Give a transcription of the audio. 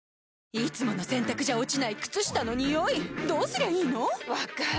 いつもの洗たくじゃ落ちない靴下のニオイどうすりゃいいの⁉分かる。